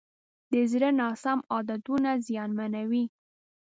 د زړه ناسم عادتونه زیانمنوي.